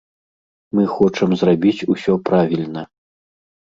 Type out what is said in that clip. Мы хочам зрабіць усё правільна!